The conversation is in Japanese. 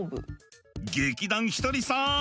劇団ひとりさん